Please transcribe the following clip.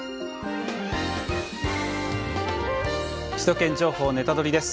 「首都圏情報ネタドリ！」です。